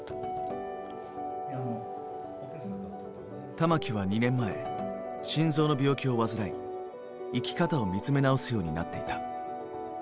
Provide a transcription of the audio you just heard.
玉置は２年前心臓の病気を患い生き方を見つめ直すようになっていた。